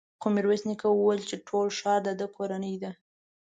خو ميرويس نيکه وويل چې ټول ښار د ده کورنۍ ده.